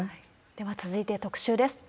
では続いて、特集です。